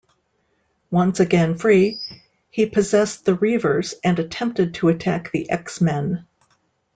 Once again free, he possessed the Reavers and attempted to attack the X-Men.